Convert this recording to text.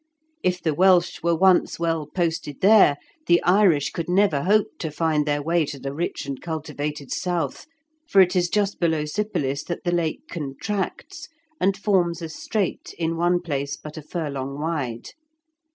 If the Welsh were once well posted there, the Irish could never hope to find their way to the rich and cultivated south, for it is just below Sypolis that the Lake contracts, and forms a strait in one place but a furlong wide.